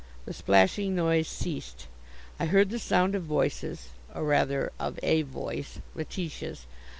The splashing noise ceased. I heard the sound of voices, or rather of a voice Letitia's!